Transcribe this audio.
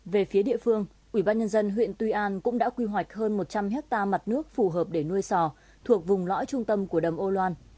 về phía địa phương ubnd huyện tuy an cũng đã quy hoạch hơn một trăm linh hectare mặt nước phù hợp để nuôi sò thuộc vùng lõi trung tâm của đầm âu loan